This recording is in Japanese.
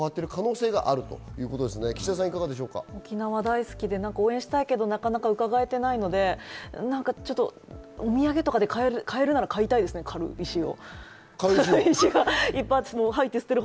沖縄大好きで応援したいけれども伺えていないのでお土産とかで買えるなら買いたいですね、軽石を。